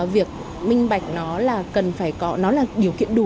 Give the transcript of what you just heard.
việc minh bạch nó là điều kiện đủ